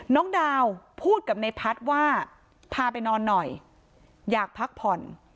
น้องดาวพูดกับในพัฒน์ว่าพาไปนอนหน่อยอยากพักผ่อน